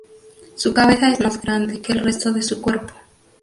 Su cabeza es más grande que el resto de su cuerpo.